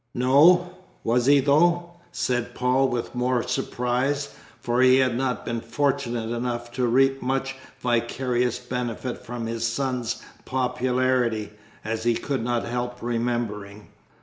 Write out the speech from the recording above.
"No, was he though?" said Paul with more surprise, for he had not been fortunate enough to reap much vicarious benefit from his son's popularity, as he could not help remembering.